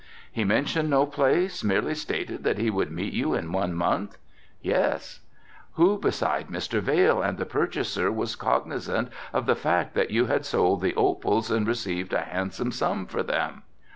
"He mentioned no place, merely stated that he would meet you in one month?" "Yes." "Who beside Mr. Vail and the purchaser was cognizant of the fact that you had sold the opals and received a handsome sum for them?"